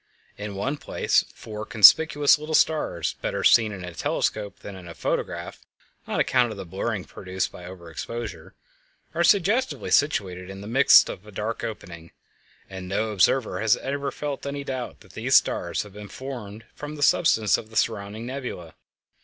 In one place four conspicuous little stars, better seen in a telescope than in the photograph on account of the blurring produced by over exposure, are suggestively situated in the midst of a dark opening, and no observer has ever felt any doubt that these stars have been formed from the substance of the surrounding nebula.